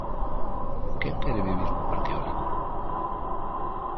Quen quere vivir nun parque eólico?